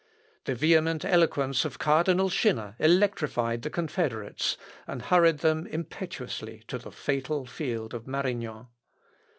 The vehement eloquence of Cardinal Schinner electrified the confederates, and hurried them impetuously to the fatal field of Marignan.